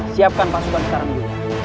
siapkan pasukan sekarang dulu